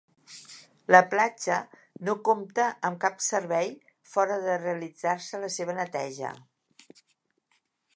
La platja no compta amb cap servei, fora de realitzar-se la seva neteja.